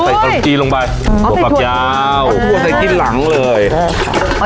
ใส่กำลังจีนลงไปอ๋อเป็นผักยาวผักกลัวใส่กินหลังเลยได้ค่ะ